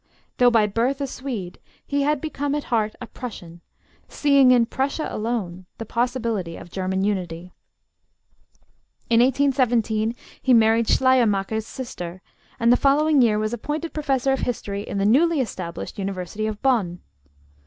Though by birth a Swede, he had become at heart a Prussian, seeing in Prussia alone the possibility of German unity. In 1817 he married Schleiermacher's sister, and the following year was appointed professor of history in the newly established University of Bonn.